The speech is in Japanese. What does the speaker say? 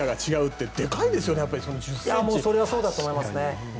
それはそうだと思いますね。